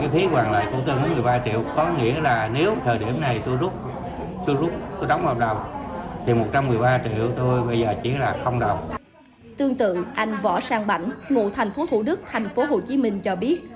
tương tự anh võ sang bảnh ngụ thành phố thủ đức thành phố hồ chí minh cho biết